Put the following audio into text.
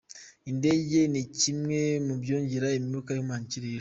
Indege ni kimwe mu byongera imyuka ihumanya ikirere.